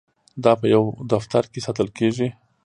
دا په یو دفتر کې ساتل کیږي.